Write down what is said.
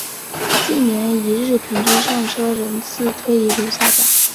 近年一日平均上车人次推移如下表。